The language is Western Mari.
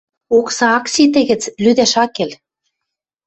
Окса ак ситӹ гӹц лӱдӓш ак кел.